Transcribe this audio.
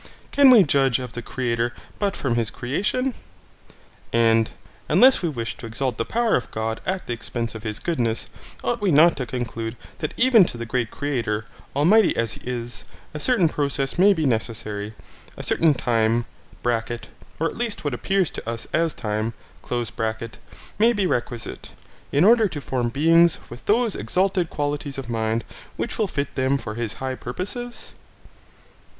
Can we judge of the Creator but from his creation? And, unless we wish to exalt the power of God at the expense of his goodness, ought we not to conclude that even to the great Creator, almighty as he is, a certain process may be necessary, a certain time (or at least what appears to us as time) may be requisite, in order to form beings with those exalted qualities of mind which will fit them for his high purposes?